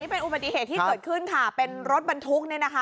เป็นอุบัติเหตุที่เกิดขึ้นค่ะเป็นรถบรรทุกเนี่ยนะคะ